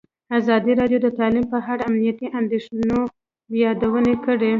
ازادي راډیو د تعلیم په اړه د امنیتي اندېښنو یادونه کړې.